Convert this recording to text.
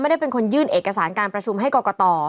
ไม่ได้เป็นคนยื่นเอกสารการประชุมให้กรกต